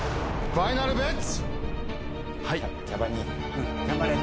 ファイナルベッツ？